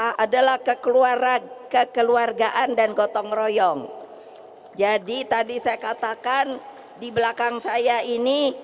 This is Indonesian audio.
yang adalah kekeluarga kekeluargaan dan gotong royong jadi tadi saya katakan di belakang saya ini